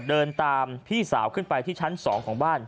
เดินตามพี่สาวขึ้นไปที่ชั้น๒ของบ้าน